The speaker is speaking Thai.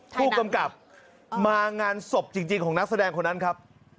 ผู้กำกับมางานศพจริงของนักแสดงคนนั้นครับ